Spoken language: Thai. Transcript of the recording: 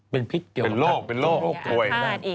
เป็นพิษเกี่ยวกับพระพระอีกแล้วนะเป็นโรคโบย